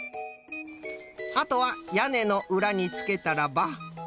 あとはやねのうらにつけたらば。